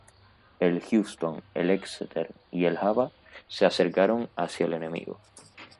El "Houston", el "Exeter" y el "Java" se acercaron hacia el enemigo.